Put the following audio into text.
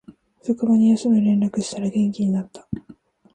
職場に休む連絡したら元気になった